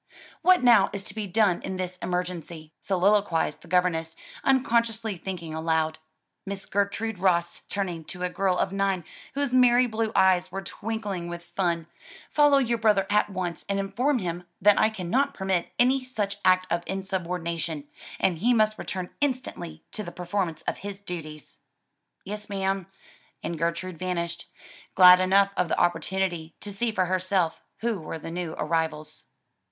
"What now is to be done in this emergency?" soliloquized the governess, unconsciously thinking aloud. "Miss Gertrude Ross," turning to a girl of nine whose merry blue eyes were twinkling with fun, "follow your brother at once and inform him that I cannot permit any such act of insubordination; and he must return instantly to the performance of his duties." "Yes ma'am," and Gertrude vanished; glad enough of the opportunity to see for herself who were the new arrivals.